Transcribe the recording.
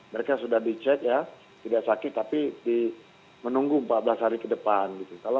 mereka sudah dicek ya tidak sakit tapi menunggu empat belas hari ke depan